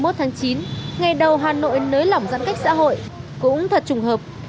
hai mươi một tháng chín ngày đầu hà nội lưới lỏng giãn cách xã hội cũng thật trùng hợp